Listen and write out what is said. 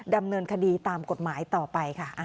ดำเนินคดีตามกฎหมายต่อไปค่ะ